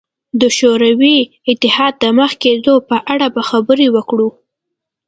د شوروي اتحاد د مخ کېدو په اړه به خبرې وکړو.